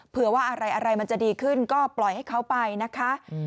เผื่อว่าอะไรมันจะดีขึ้นก็ปล่อยให้เขาไปนะคะ